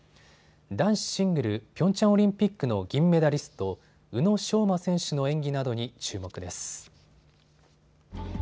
男子シングルピョンチャンオリンピックの銀メダリスト、宇野昌磨選手の演技などに注目です。